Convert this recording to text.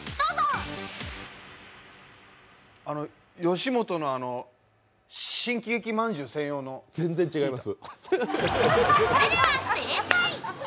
吉本の新喜劇まんじゅう専用の全然違います。